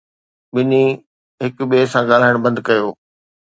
ٻنهي هڪ ٻئي سان ڳالهائڻ بند ڪيو